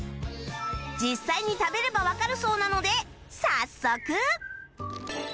実際に食べればわかるそうなので早速